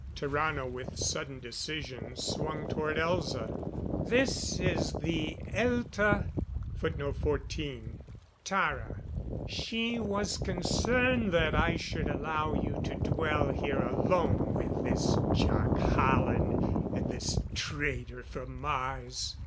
Tarrano, with sudden decision, swung toward Elza. "This is the Elta Tara. She was concerned that I should allow you to dwell here alone with this Jac Hallen, and this traitor from Mars."